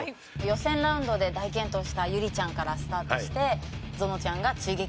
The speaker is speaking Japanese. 予選ラウンドで大健闘した悠理ちゃんからスタートしてぞのちゃんが追撃。